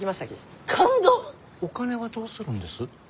お金はどうするんです？